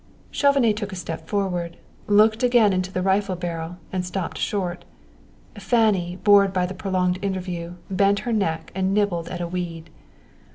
Chauvenet took a step forward, looked again into the rifle barrel, and stopped short. Fanny, bored by the prolonged interview, bent her neck and nibbled at a weed.